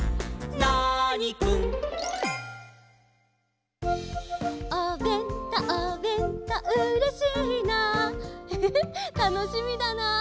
ナーニくん」おべんとおべんとうれしいなフフフたのしみだな。